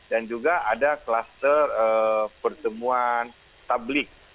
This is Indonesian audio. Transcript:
dan juga ada cluster pertemuan tablik